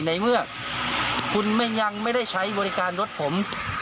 ในเมื่อคุณยังไม่ได้ใช้บริการรถผม